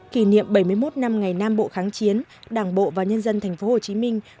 kỷ niệm bảy mươi một năm ngày nam bộ kháng chiến đảng bộ và nhân dân tp hcm